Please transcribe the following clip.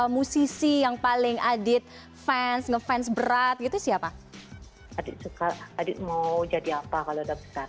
musisi yang paling adit fans ngefans berat gitu siapa adik suka adik mau jadi apa kalau udah dekat